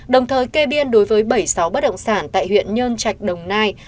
đồng thời kê biên đối với bảy mươi sáu bất động sản tại huyện nhơn trạch đồng nai